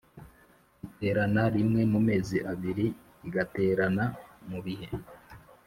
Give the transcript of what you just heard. Iterana rimwe mumezi abiri igaterana mu bihe